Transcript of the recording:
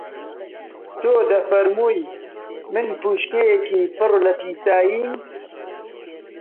تۆ دەفەرمووی من بۆشکەیەکی پڕ لە پیساییم